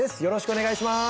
お願いします